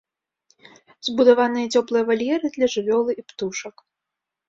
Збудаваныя цёплыя вальеры для жывёлы і птушак.